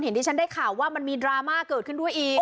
ที่ฉันได้ข่าวว่ามันมีดราม่าเกิดขึ้นด้วยอีก